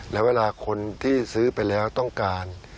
แล้วเวลาคนที่ซื้อไปแล้วต้องการ